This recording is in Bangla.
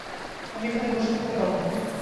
আমি এখানে বসে থাকতে পারব না!